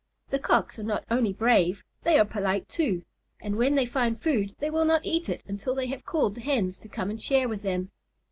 The Cocks are not only brave they are polite, too, and when they find food they will not eat it until they have called the Hens to come and share with them.